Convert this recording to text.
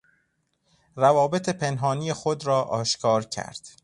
روابط پنهانی خود را آشکار کرد.